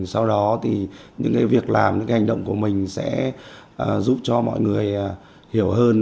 sau đó thì những việc làm những hành động của mình sẽ giúp cho mọi người hiểu hơn